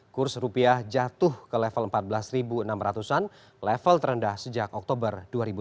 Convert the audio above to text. kurs rupiah jatuh ke level empat belas enam ratus an level terendah sejak oktober dua ribu lima belas